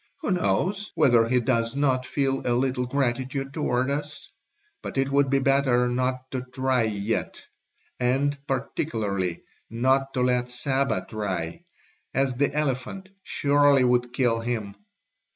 Who knows whether he does not feel a little gratitude towards us? But it would be better not to try yet, and particularly not to let Saba try, as the elephant surely would kill him.